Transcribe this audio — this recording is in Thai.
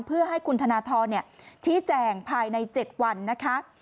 เพื่อให้คุณธนทรชี้แจงภายใน๗วันนะคะ